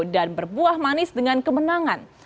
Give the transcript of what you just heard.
dan berbuah manis dengan kemenangan